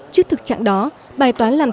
trước thực trạng đó bài toán là một lần